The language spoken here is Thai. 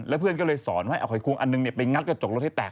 เพื่อนก็เลยสอนให้เอาหอยควงอันหนึ่งไปงัดกระจกรถให้แตก